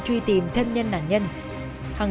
truy tìm thân nhân nạn nhân